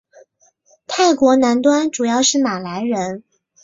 泰国南端主要是马来人。